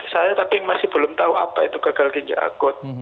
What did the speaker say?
saya tapi masih belum tahu apa itu gagal ginjal akut